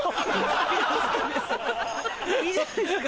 いいじゃないですか。